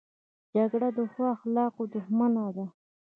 جګړه د ښو اخلاقو دښمنه ده